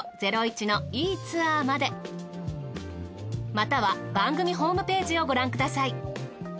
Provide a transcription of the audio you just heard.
または番組ホームページをご覧ください。